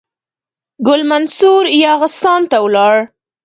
ګل منصور یاغستان ته ولاړ.